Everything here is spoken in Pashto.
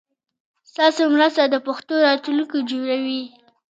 ستاسو مرسته د پښتو راتلونکی جوړوي.